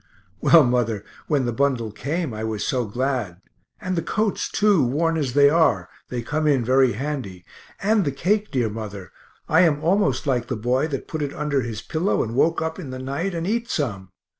Well, mother, when the bundle came, I was so glad and the coats too, worn as they are, they come in very handy and the cake, dear mother, I am almost like the boy that put it under his pillow and woke up in the night and eat some.